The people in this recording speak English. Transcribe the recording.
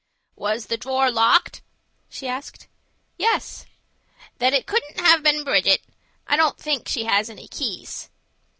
"Was the drawer locked?" she asked. "Yes." "Then it couldn't have been Bridget. I don't think she has any keys."